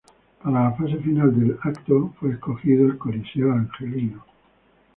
Para la fase final del evento fue escogido el Coliseo angelino.